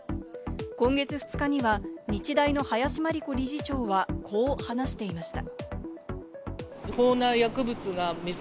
今月２日には日大の林真理子理事長は、こう話していました。